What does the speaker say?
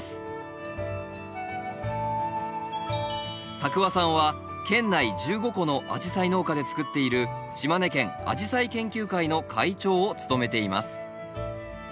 多久和さんは県内１５戸のアジサイ農家でつくっている島根県アジサイ研究会の会長を務めています